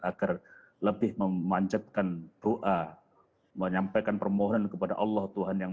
agar lebih memanjatkan doa menyampaikan permohonan kepada allah tuhan yang